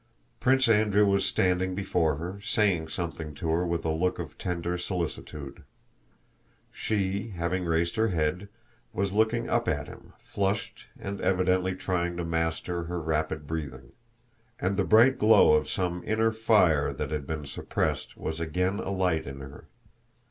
Prince Andrew was standing before her, saying something to her with a look of tender solicitude. She, having raised her head, was looking up at him, flushed and evidently trying to master her rapid breathing. And the bright glow of some inner fire that had been suppressed was again alight in her.